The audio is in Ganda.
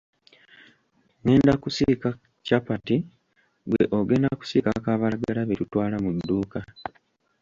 Ngenda kusiika capati gwe ogenda kusiika kabalagala bye tutwala mu dduuka